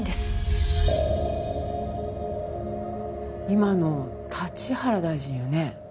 今の立原大臣よね？